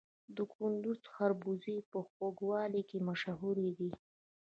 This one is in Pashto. د کندز خربوزې په خوږوالي کې مشهورې دي.